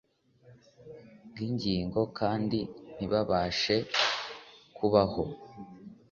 bw’ingingo kandi ntibabashe kubaho.